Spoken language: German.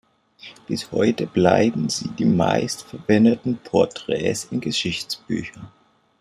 Bis heute bleiben sie die meist verwendeten Porträts in Geschichtsbüchern.